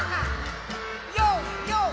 ＹＯＹＯ！